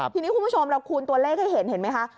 ทีนี้คุณผู้ชมเราคูณตัวเลขให้เห็นเห็นไหมคะ